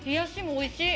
おいしい！